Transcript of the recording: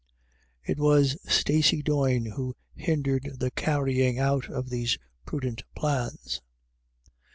" It was Stacey Doyne who hindered the carrying out of these prudent plans.